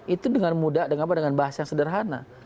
itu dengan mudah dengan bahasa yang sederhana